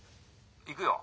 ☎行くよ。